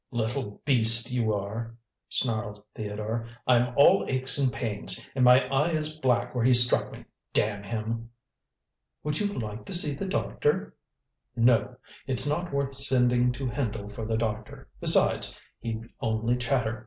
"Little beast, you are," snarled Theodore. "I'm all aches and pains, and my eye is black where he struck me, damn him!" "Would you like to see the doctor?" "No. It's not worth sending to Hendle for the doctor. Besides, he'd only chatter.